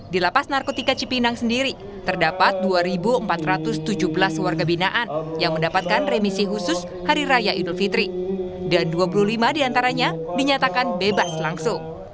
di lapas narkotika cipinang sendiri terdapat dua empat ratus tujuh belas warga binaan yang mendapatkan remisi khusus hari raya idul fitri dan dua puluh lima diantaranya dinyatakan bebas langsung